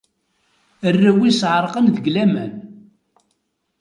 Arraw-is εerqen deg laman.